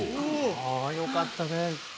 「ああよかったね」